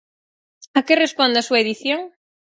A que responde a súa edición?